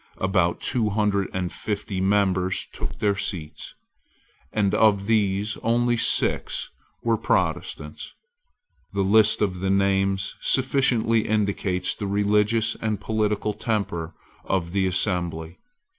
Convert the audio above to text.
About two hundred and fifty members took their seats. Of these only six were Protestants, The list of the names sufficiently indicates the religious and political temper of the assembly.